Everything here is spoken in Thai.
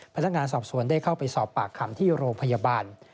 พนักงานสอบสวนได้เข้าไปสอบปากคำที่โรงพยาบาล